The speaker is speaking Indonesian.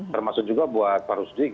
termasuk juga buat pak rusdik